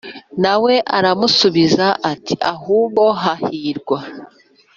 Na we aramusubiza ati Ahubwo hahirwa